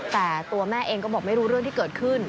แต่ตัวแม่เองก็บอกไม่รู้เรื่องที่เกิดขึ้น